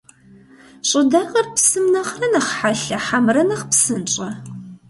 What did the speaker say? ЩӀыдагъэр псым нэхърэ нэхъ хьэлъэ хьэмэрэ нэхъ псынщӀэ?